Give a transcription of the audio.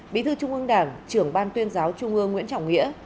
bí thư trung ương đảng trưởng ban tuyên giáo trung ương nguyễn trọng nghĩa